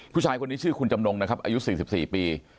ผู้ชายคนนี้ชื่อคุณจำนงนะครับอายุ๔๔ปี